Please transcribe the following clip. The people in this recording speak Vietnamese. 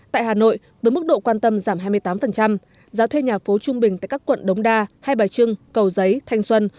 tại hà nội với mức độ quan tâm giảm hai mươi tám giá thuê nhà phố trung bình tại các quận đống đa hai bài trưng cầu giấy thanh xuân